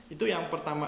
itu yang pertama